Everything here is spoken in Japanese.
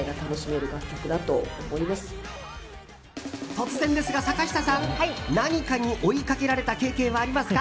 突然ですが、坂下さん何かに追いかけられた経験はありますか？